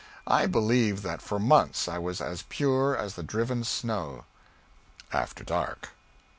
I believe that for months I was as pure as the driven snow. After dark.